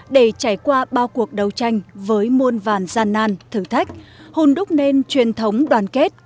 để trải qua bao cuộc đấu tranh với muôn vàn gian nan thử thách hôn đúc nên truyền thống đoàn kết